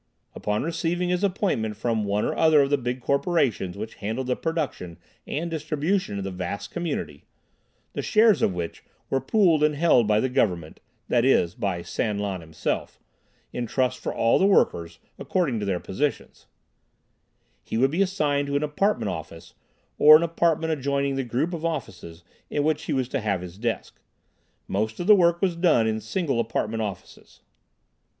Upon receiving his appointment from one or another of the big corporations which handled the production and distribution of the vast community (the shares of which were pooled and held by the government that is, by San Lan himself in trust for all the workers, according to their positions) he would be assigned to an apartment office, or an apartment adjoining the group of offices in which he was to have his desk. Most of the work was done in single apartment offices.